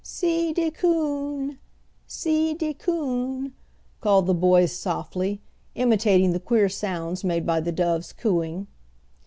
"See de coon; see de coon!" called the boys softly, imitating the queer sounds made by the doves cooing.